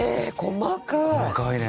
細かい！